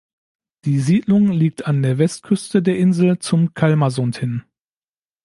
Die Siedlung liegt an der Westküste der Insel zum Kalmarsund hin.